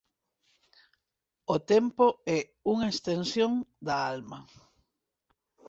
O tempo é unha extensión da alma.